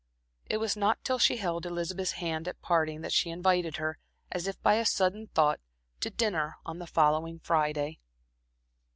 It was not till she held Elizabeth's hand at parting that she invited her, as if by a sudden thought, to dinner on the following Friday.